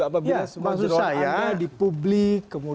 apabila semua jerawannya di publik